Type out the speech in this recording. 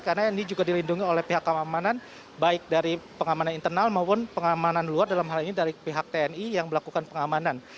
atau keamanan baik dari pengamanan internal maupun pengamanan luar dalam hal ini dari pihak tni yang melakukan pengamanan